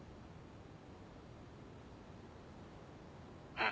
うん。